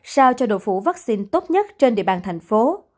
sao cho đội phủ vaccine tốt nhất trên địa bàn thành phố